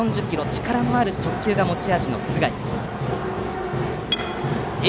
力のある直球が持ち味の須貝です。